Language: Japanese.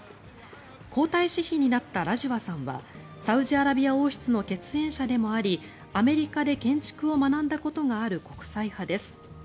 皇太子妃になったラジワさんはサウジアラビア王室の血縁者でもありアメリカで建築を学んだことがある国際派です。